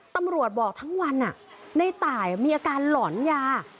ตำรวจบอกทั้งวันในตายมีอาการหลอนยา